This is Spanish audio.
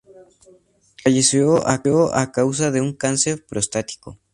Falleció a causa de un cáncer prostático.